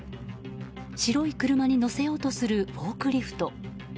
白い車に載せようとするフォークリフト。